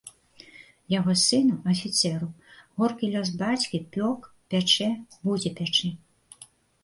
Яго сыну, афіцэру, горкі лёс бацькі пёк, пячэ, будзе пячы.